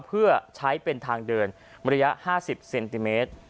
เพื่อใช้เป็นทางเดินบริยะห้าสิบเซนติเมตร